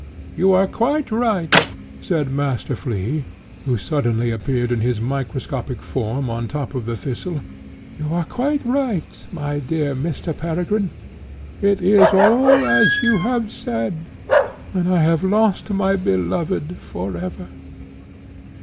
"You are quite right," said Master Flea, who suddenly appeared in his microscopic form on the top of the thistle "you are quite right, my dear Mr. Peregrine. It is all as you have said, and I have lost my beloved for ever."